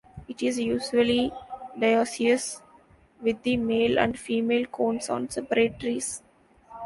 It is usually dioecious, with the male and female cones on separate trees.